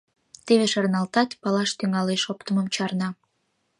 Теве шарналтат, палаш тӱҥалеш, оптымым чарна.